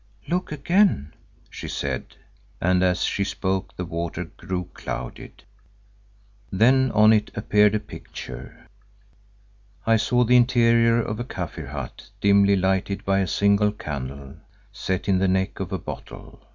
"Look again," she said, and as she spoke the water grew clouded. Then on it appeared a picture. I saw the interior of a Kaffir hut dimly lighted by a single candle set in the neck of a bottle.